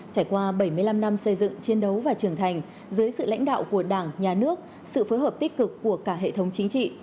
trải qua bảy mươi năm năm xây dựng chiến đấu và trưởng thành dưới sự lãnh đạo của đảng nhà nước sự phối hợp tích cực của cả hệ thống chính trị